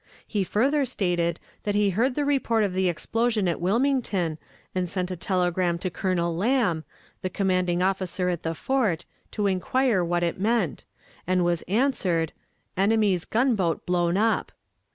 He further stated that he heard the report of the explosion at Wilmington, and sent a telegram to Colonel Lamb, the commanding officer at the fort, to inquire what it meant, and was answered, "Enemy's gunboat blown up."